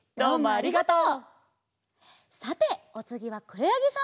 ありがとう！